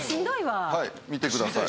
見てください。